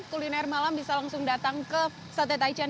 kuliner malam bisa langsung datang ke sate taichan